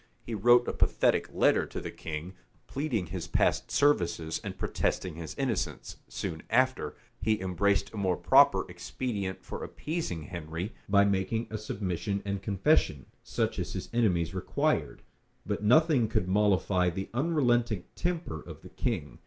He wrote a pathetic letter to the king, pleading his past services and protesting his innocence: soon after, he embraced a more proper expedient for appeasing Henry, by making a submission and confession, such as his enemies required; but nothing could mollify the unrelenting temper of the king.